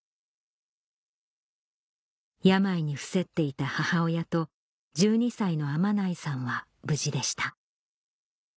病に伏せっていた母親と１２歳の天内さんは無事でした